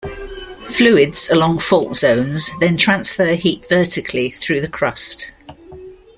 Fluids along fault zones then transfer heat vertically through the crust.